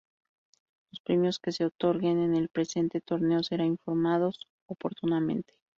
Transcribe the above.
Los premios que se otorguen en el presente torneo será informados oportunamente.